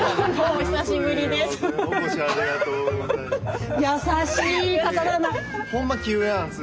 お越しありがとうございます。